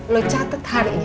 lu catet harinya